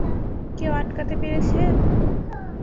কেউ আটকাতে পেরেছে?